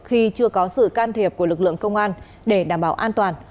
khi chưa có sự can thiệp của lực lượng công an để đảm bảo an toàn